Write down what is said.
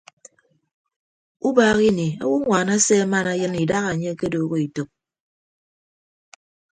Ubaak ini awonwaan ase aman ayịn idaha anye akedooho etәk.